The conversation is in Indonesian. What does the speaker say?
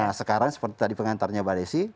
nah sekarang seperti tadi pengantarnya mbak desi